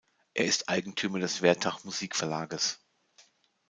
Er ist Eigentümer des Wertach Musikverlages.